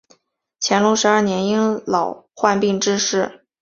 乾隆十二年因年老患病致仕。